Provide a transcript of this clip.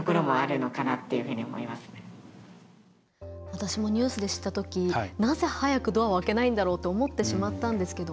私もニュースで知ったときなぜ、早くドアを開けないんだろうって思ってしまったんですけど